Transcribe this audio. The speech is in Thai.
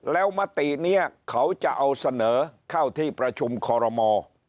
แล้วมตินี้เขาจะเอาเสนอเข้าที่ประชุมคอรมอ